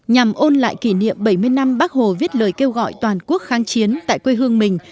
nhằm ôn lại kỷ niệm bảy mươi năm bác hồ viết lời kêu gọi toàn quốc kháng chiến tại quê hương mình